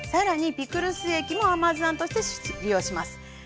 ピクルス液も甘酢あんとして利用します。